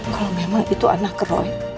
kalau memang itu anak kebalin